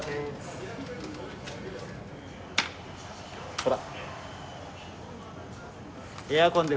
ほら。